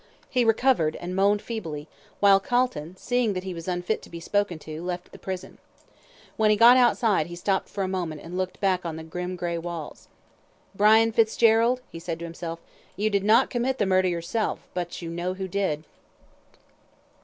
He recovered, and moaned feebly, while Calton, seeing that he was unfit to be spoken to, left the prison. When he got outside he stopped for a moment and looked back on the grim, grey walls. "Brian Fitzgerald," he said to himself "you did not commit the murder yourself, but you know who did."